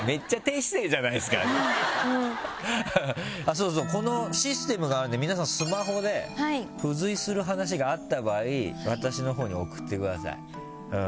そうそうこのシステムがあるんで皆さんスマホで付随する話があった場合私のほうに送ってください。